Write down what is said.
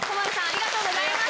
ありがとうございます。